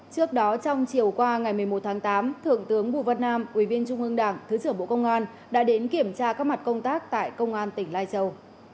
trước đó trong chiều qua ngày một mươi một tháng tám thượng tướng bùi văn nam ủy viên trung ương đảng thứ trưởng bộ công an đã đến kiểm tra các mặt công tác tại công an tỉnh lai châu